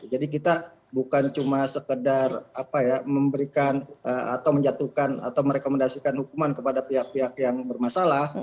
jadi kita bukan cuma sekedar memberikan atau menjatuhkan atau merekomendasikan hukuman kepada pihak pihak yang bermasalah